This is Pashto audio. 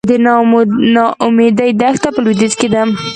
د نا امید دښته په لویدیځ کې ده